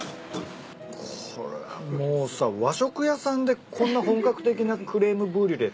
これもうさ和食屋さんでこんな本格的なクリームブリュレ